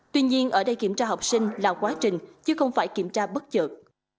tuy nhiên ở đây kiểm tra học sinh là quá trình chứ không phải kiểm tra bất chợt